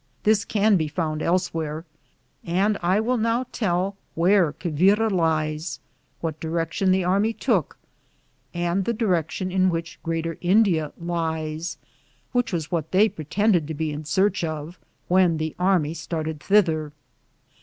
This can be found elsewhere, and I will now tell where Quivira lies, what di rection the army took, and the direction in which Greater India lies, which was what they pretended to be in search of, when the army started thither.